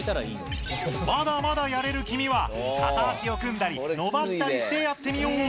まだまだやれる君は片脚を組んだり伸ばしたりして、やってみよう。